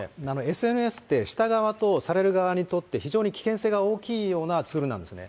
ＳＮＳって、した側とされる側にとって、非常に危険性が大きいようなツールなんですね。